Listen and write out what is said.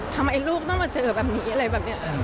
ทำไมลูกต้องมาเจอแบบนี้อะไรแบบนี้